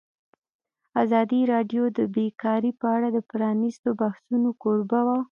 ازادي راډیو د بیکاري په اړه د پرانیستو بحثونو کوربه وه.